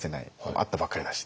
会ったばっかりだし。